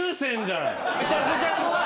・めちゃくちゃ怖い！